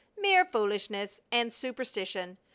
Mere foolishness and superstition!